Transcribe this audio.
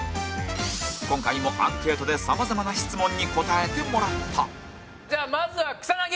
今回もアンケートでさまざまな質問に答えてもらったじゃあ、まずは、草薙。